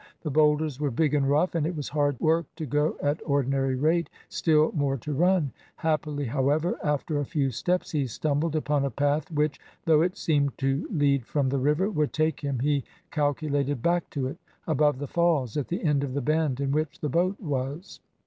The boulders were big and rough, and it was hard work to go at ordinary rate, still more to run. Happily, however, after a few steps he stumbled upon a path which, though it seemed to lead from the river, would take him, he calculated, back to it above the falls at the end of the bend in which the boat was.